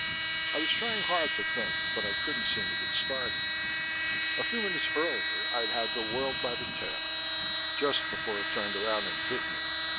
I was trying hard to think but I couldn't seem to get started. A few minutes earlier I'd had the world by the tail just before it turned around and bit me.